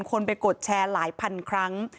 คนไปกดแชร์หลายพันครั้ง